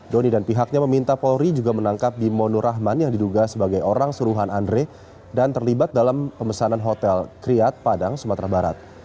doni dan pihaknya meminta polri juga menangkap bimo nur rahman yang diduga sebagai orang suruhan andre dan terlibat dalam pemesanan hotel kriat padang sumatera barat